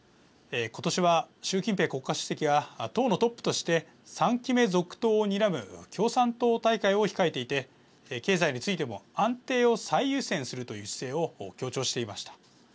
ことしは習近平国家主席が党のトップとして３期目続投をにらむ共産党大会を控えていて経済についても安定を最優先するという姿勢を強調していました。